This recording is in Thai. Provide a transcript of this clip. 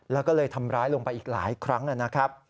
แล้วก็เลยทำร้ายลงไปอีกหลายครั้งนะครับ